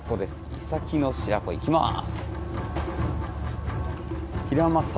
イサキの白子いきます。